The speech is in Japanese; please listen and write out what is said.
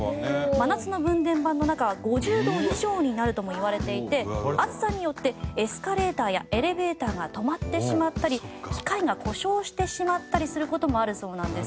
真夏の分電盤の中は５０度以上になるともいわれていて暑さによってエスカレーターやエレベーターが止まってしまったり機械が故障してしまったりする事もあるそうなんです。